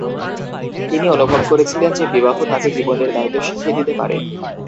তিনি অনুভব করেছিলেন যে বিবাহ তাঁকে জীবনের দায়িত্ব শিখিয়ে দিতে পারে।